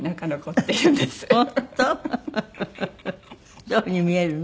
そういう風に見えるの？